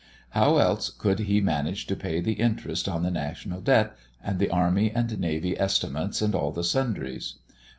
How else could he manage to pay the interest on the national debt, and the army and navy estimates, and all the sundries?